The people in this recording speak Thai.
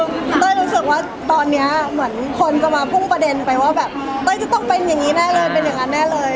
เต้ยรู้สึกว่าตอนนี้เหมือนคนจะมาพุ่งประเด็นไปว่าแบบเต้ยจะต้องเป็นอย่างนี้แน่เลยเป็นอย่างนั้นแน่เลย